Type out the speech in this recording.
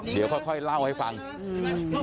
เดี๋ยวค่อยเล่าให้ฟัง